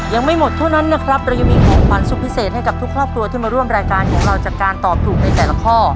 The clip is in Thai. ยังไม่หมดเท่านั้นนะครับเรายังมีของขวัญสุดพิเศษให้กับทุกครอบครัวที่มาร่วมรายการของเราจากการตอบถูกในแต่ละข้อ